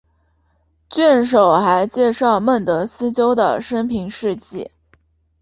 卷首还介绍孟德斯鸠的生平事迹。